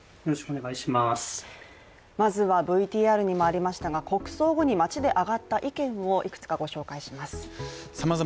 まずはＶＴＲにもありましたが、国葬後に街で挙がった意見をいくつかお伝えします。